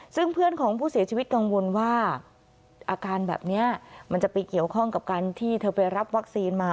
ซึ่งเพื่อนของผู้เสียชีวิตกังวลว่าอาการแบบนี้มันจะไปเกี่ยวข้องกับการที่เธอไปรับวัคซีนมา